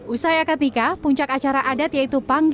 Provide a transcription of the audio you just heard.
usaya ketiga puncak acara adat yaitu panggi